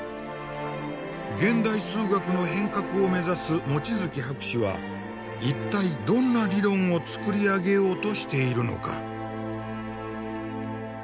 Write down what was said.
現代数学の変革を目指す望月博士は一体どんな理論を作り上げようとしているのか。